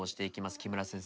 木村先生